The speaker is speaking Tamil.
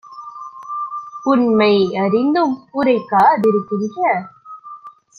உண்மை யறிந்தும் உரைக்கா திருக்கின்ற